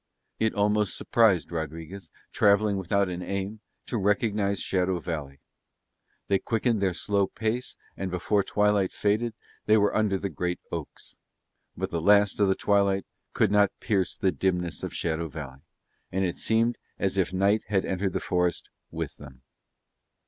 It almost surprised Rodriguez, travelling without an aim, to recognise Shadow Valley. They quickened their slow pace and, before twilight faded, they were under the great oaks; but the last of the twilight could not pierce the dimness of Shadow Valley, and it seemed as if night had entered the forest with them.